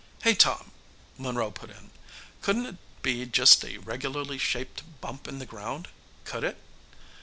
"Hey, Tom," Monroe put in. "Couldn't be just a regularly shaped bump in the ground, could it?"